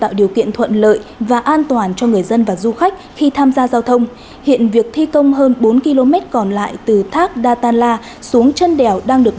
đây là tin vui đối với người dân và du khách vì sau khi thông tuyến thì việc di chuyển từ trung tâm đến các khu du lịch sẽ trở nên thuận tiện và dễ dàng hơn